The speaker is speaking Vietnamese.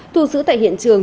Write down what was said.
thu sử tại hiện trường